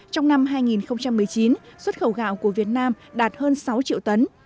trong năm hai nghìn một mươi chín xuất khẩu gạo của việt nam đạt hơn sáu triệu tấn